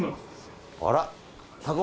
あら。